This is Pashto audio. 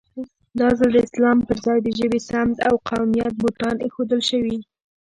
دا ځل د اسلام پر ځای د ژبې، سمت او قومیت بوتان اېښودل شوي.